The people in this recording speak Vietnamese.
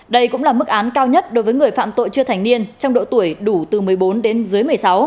đây cũng là mức án cao nhất đối với người phạm tội chưa thành niên trong độ tuổi đủ từ một mươi bốn đến dưới một mươi sáu